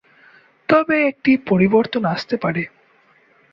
তবে একটি পরিবর্তন আসতে পারে।